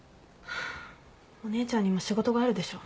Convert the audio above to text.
お姉ちゃんにも仕事があるでしょ？